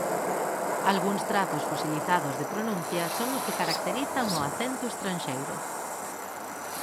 Algúns trazos fosilizados de pronuncia son os que caracterizan o "acento estranxeiro".